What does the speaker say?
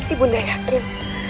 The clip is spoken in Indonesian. ibu undah yakin